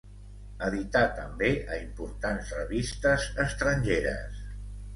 Edità també a importants revistes estrangeres.